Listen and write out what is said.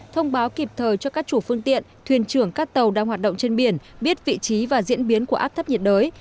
thông báo kịp thời cho các chủ phương tiện thuyền trưởng các tàu đang hoạt động trên biển biết vị trí và diễn biến của áp thấp nhiệt đới